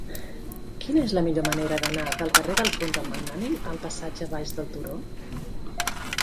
Quina és la millor manera d'anar del carrer d'Alfons el Magnànim al passatge Baix del Turó?